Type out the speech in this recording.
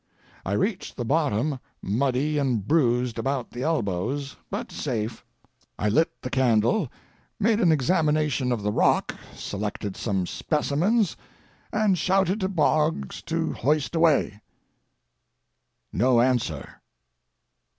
I reached the bottom muddy and bruised about the elbows, but safe. I lit the candle, made an examination of the rock, selected some specimens, and shouted to Boggs to hoist away. No answer.